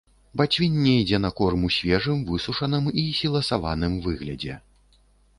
Бацвінне ідзе на корм у свежым, высушаным і сіласаваным выглядзе.